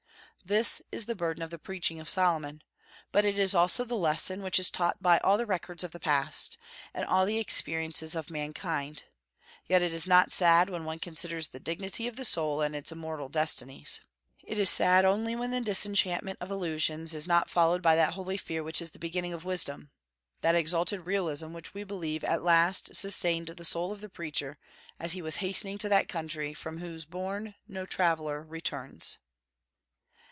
This is the burden of the preaching of Solomon; but it is also the lesson which is taught by all the records of the past, and all the experiences of mankind. Yet it is not sad when one considers the dignity of the soul and its immortal destinies. It is sad only when the disenchantment of illusions is not followed by that holy fear which is the beginning of wisdom, that exalted realism which we believe at last sustained the soul of the Preacher as he was hastening to that country from whose bourn no traveller returns.